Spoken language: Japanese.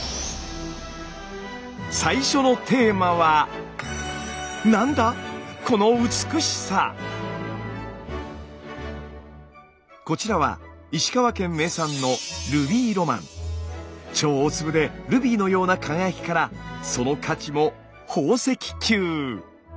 最初のテーマはこちらは石川県名産の超大粒でルビーのような輝きからその価値も宝石級。